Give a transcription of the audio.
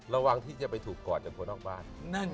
ระวังที่จะไปถูกกอดจากคนนอกบ้าน